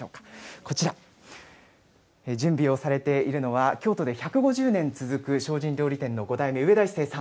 こちら、準備をされているのは、京都で１５０年続く精進料理店の５代目、上田壱盛さん。